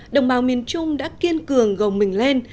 đồng bào miền trung đã kiên cường gồng mình lên